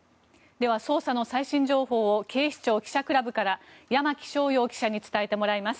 では、捜査の最新情報を警視庁記者クラブから山木翔遥記者に伝えてもらいます。